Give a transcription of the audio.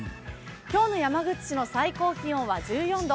今日の山口市の最高気温は１４度。